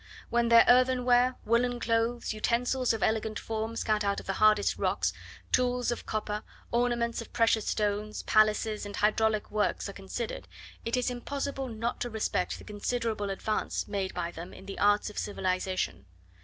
When their earthenware, woollen clothes, utensils of elegant forms cut out of the hardest rocks, tools of copper, ornaments of precious stones, palaces, and hydraulic works, are considered, it is impossible not to respect the considerable advance made by them in the arts of civilization.